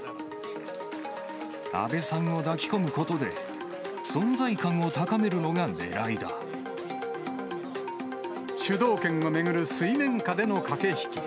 安倍さんを抱き込むことで、主導権を巡る水面下での駆け引き。